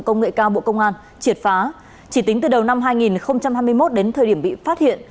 công nghệ cao bộ công an triệt phá chỉ tính từ đầu năm hai nghìn hai mươi một đến thời điểm bị phát hiện